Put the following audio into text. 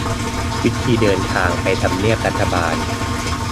วิธีเดินทางไปทำเนียบรัฐบาล